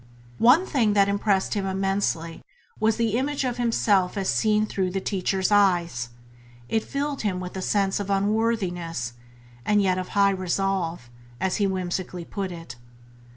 One thing that impressed him immensely was the image of himself as seen through the teacher's eyes; it filled him with a sense of unworthiness, and yet of high resolve; as he whimsically put it.